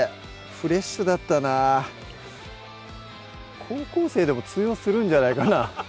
フレッシュだったなぁ高校生でも通用するんじゃないかな